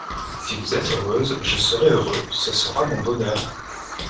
Si vous êtes heureuse, je serai heureux … Ce sera mon bonheur.